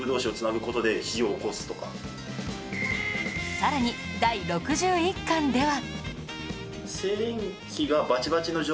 さらに第６１巻では